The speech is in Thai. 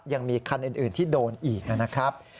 ยังมีคันอื่นที่โดนอีกนะครับ